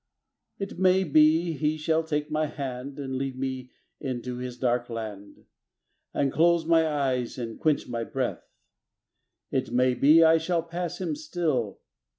It may be he shall take my hand And lead me into his dark land And close my eyes and quench my breath It may be I shall pass him still.